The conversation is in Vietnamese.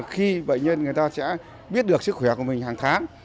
khi bệnh nhân người ta sẽ biết được sức khỏe của mình hàng tháng